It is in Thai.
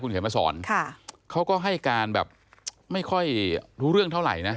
เขียนมาสอนเขาก็ให้การแบบไม่ค่อยรู้เรื่องเท่าไหร่นะ